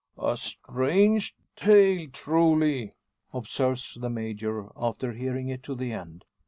"A strange tale, truly!" observes the Major, after hearing it to the end.